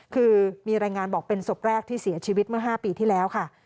คือมีรายงานบอกเป็นศพแรกที่เสียชีวิตเมื่อ๕ปีที่แล้วค่ะ